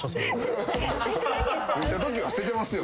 付いたときは捨ててますよ